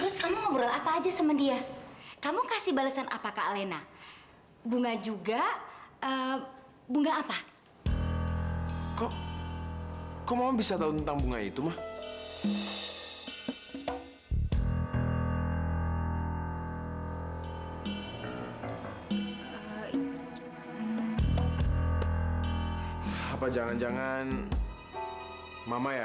sampai jumpa di video selanjutnya